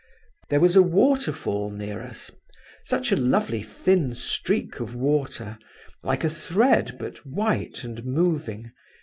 There was a waterfall near us, such a lovely thin streak of water, like a thread but white and moving.